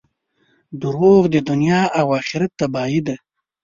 • دروغ د دنیا او آخرت تباهي ده.